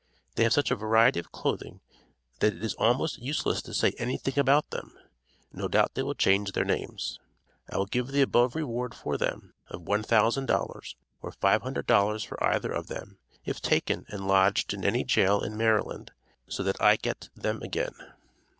They have such a variety of clothing that it is almost useless to say anything about them. No doubt they will change their names. I will give the above reward for them, of one thousand dollars, or five hundred dollars for either of them, if taken and lodged in any jail in Maryland, so that I get them again.